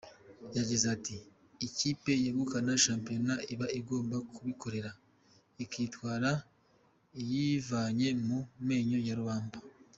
Yagize ati“Ikipe yegukana shampiyona iba igomba kubikorera, ikayitwara iyivanye mu menyo ya rubamba.